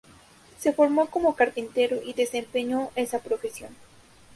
Se formó como carpintero y desempeñó esa profesión.